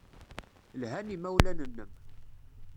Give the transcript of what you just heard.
Lhan yimawlan-nnem.